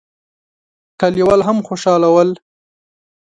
کليوال هم خوشاله ول.